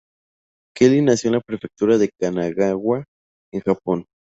Kelly nació en la Prefectura de Kanagawa en Japón.